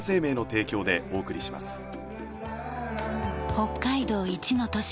北海道一の都市